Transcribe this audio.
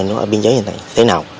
ở biên giới như thế này thế nào